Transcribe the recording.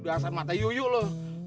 udah asal mata yuyuk lu